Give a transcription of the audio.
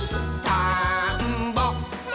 「たんぼっ！」